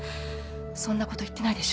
そんなこと言ってないでしょ